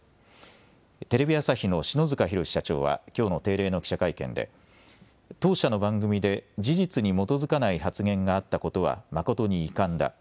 テレビ朝日の篠塚浩社長はきょうの定例の記者会見で当社の番組で事実に基づかない発言があったことは誠に遺憾だ。